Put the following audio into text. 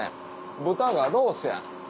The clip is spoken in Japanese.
豚がロースや。